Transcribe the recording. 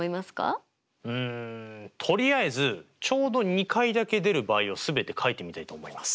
うんとりあえずちょうど２回だけ出る場合を全て書いてみたいと思います。